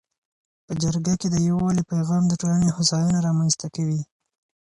په جرګه کي د یووالي پیغام د ټولنې هوساینه تضمینوي.